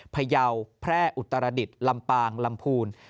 พยาวแพร่อุตรดิษฐ์ลำปางลำพูน